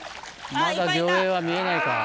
まだ魚影は見えないか。